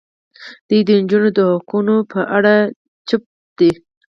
دوی د نجونو د حقونو په اړه چوپ دي.